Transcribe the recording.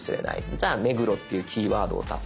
じゃあ「目黒」っていうキーワードを足そう。